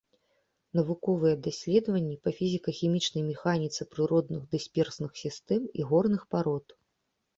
Навуковыя даследаванні па фізіка-хімічнай механіцы прыродных дысперсных сістэм і горных парод.